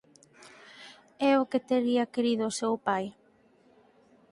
É o que tería querido o seu pai.